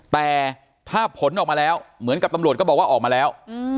แต่ถ้าผลออกมาแล้วเหมือนกับตำรวจก็บอกว่าออกมาแล้ว